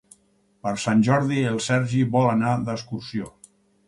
Per Sant Jordi en Sergi vol anar d'excursió.